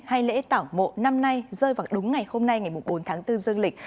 hay lễ tảo mộ năm nay rơi vào đúng ngày hôm nay ngày bốn tháng bốn dương lịch